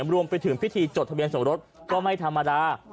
รวมไปถึงพิธีจดทะเบียนสมรสก็ไม่ธรรมดา